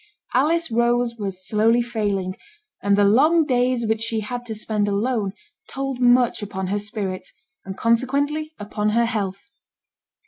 Alice Rose was slowly failing, and the long days which she had to spend alone told much upon her spirits, and consequently upon her health.